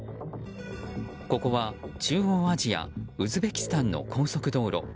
ここは中央アジアウズベキスタンの高速道路。